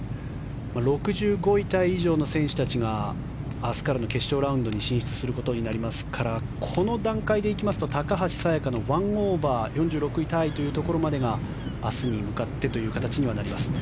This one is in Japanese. ６５位タイ以上の選手たちが明日からの決勝ラウンドに進出することになりますからこの段階でいきますと高橋彩華の１オーバー４６位タイというところまでが明日に向かってという形にはなります。